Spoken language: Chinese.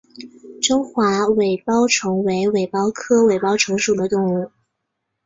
中华尾孢虫为尾孢科尾孢虫属的动物。